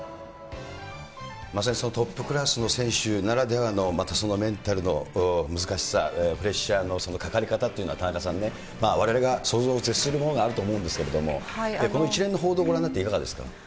まさにトップクラスの選手ならではのまたそのメンタルの難しさ、プレッシャーのかかり方というのは、田中さんね、われわれが想像を絶するものがあると思うんですけど、この一連の報道ご覧になって、いかがですか。